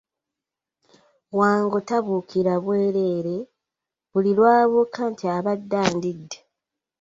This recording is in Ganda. Wango tabuukira bwereere, buli lwabuuka nti abadde andidde.